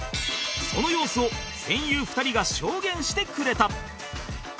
その様子を戦友２人が証言してくれた